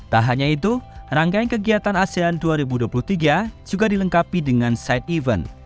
tak hanya itu rangkaian kegiatan asean dua ribu dua puluh tiga juga dilengkapi dengan side event